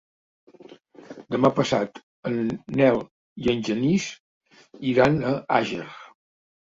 Demà passat en Nel i en Genís iran a Àger.